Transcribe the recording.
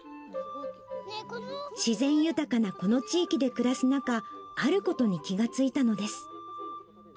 自然豊かなこの地域で暮らす中、あることに気がついたのです。